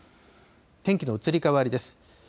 天気の移り変わりです。